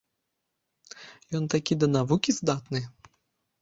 Ён такі да навукі здатны!